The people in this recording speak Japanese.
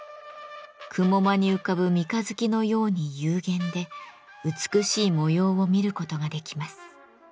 雲間に浮かぶ三日月のように幽玄で美しい模様を見ることができます。